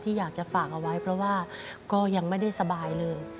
อยากจะฝากเอาไว้เพราะว่าก็ยังไม่ได้สบายเลย